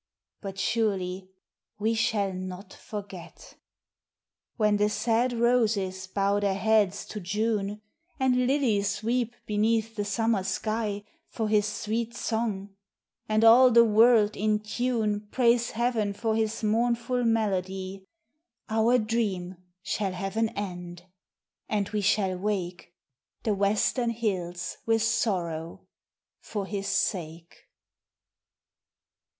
But surely we shall not forget. When the sad roses bow their heads to June, And lilies weep beneath the summer sky For his sweet song, and all the world in tune Prays heaven for his mournful melody : Our dream shall have an end, and we shall wake The western hills with sorrow for his sake.